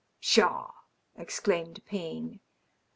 " Pshaw !" exclaimed Payne.